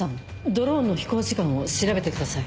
ドローンの飛行時間を調べてください。